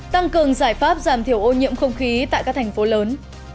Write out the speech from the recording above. tăng cường giải pháp giảm thiểu ô nhiễm không khí tại các thành phố lớn